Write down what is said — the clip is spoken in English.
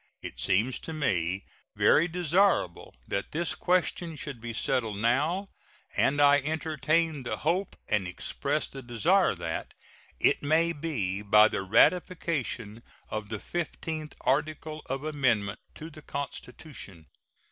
It seems to me very desirable that this question should be settled now, and I entertain the hope and express the desire that it may be by the ratification of the fifteenth article of amendment to the Constitution.